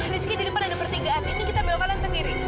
rizky di depan ada pertinggaan ini kita ambil kanan terdiri